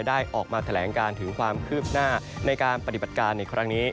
ได้ออกมาแถลงการถึงความคืบหน้าในการปฏิบัติการในครั้งนี้